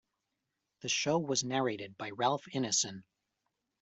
The show was narrated by Ralph Ineson.